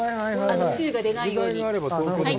つゆが出ないように。